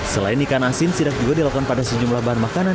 selain ikan asin sidak juga dilakukan pada sejumlah bahan makanan